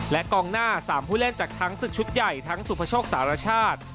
และกองหน้า๓ผู้เล่นจากช้างศึกชุดใหญ่ทั้งสุภโชคสารชาติ